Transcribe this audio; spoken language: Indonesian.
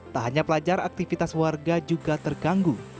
tak hanya pelajar aktivitas warga juga terganggu